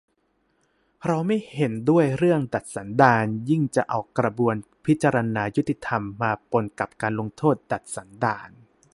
เราไม่เห็นด้วยเรื่อง "ดัดสันดาน" ยิ่งจะเอา กระบวนพิจารณายุติธรรม มาปนกับ การลงโทษ "ดัดสันดาน"